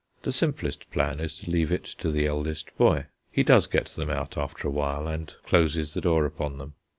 The simplest plan is to leave it to the eldest boy. He does get them out after a while, and closes the door upon them.